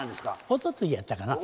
おとついやったかな。